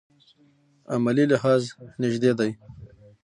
عملي لحاظ نژدې دي.